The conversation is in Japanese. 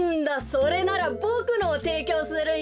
それならボクのをていきょうするよ。